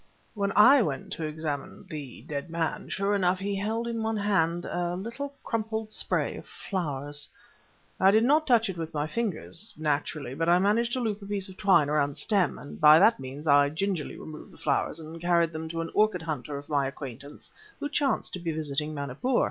"When I went to examine the dead man, sure enough he held in one hand a little crumpled spray of flowers. I did not touch it with my fingers naturally, but I managed to loop a piece of twine around the stem, and by that means I gingerly removed the flowers and carried them to an orchid hunter of my acquaintance who chanced to be visiting Manipur.